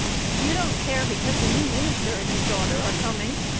"You don't care because the new minister and his daughter are coming?"